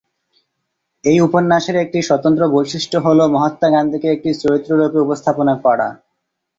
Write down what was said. এই উপন্যাসের একটি স্বতন্ত্র বৈশিষ্ট্য হল, মহাত্মা গান্ধীকে একটি চরিত্র রূপে উপস্থাপনা করা।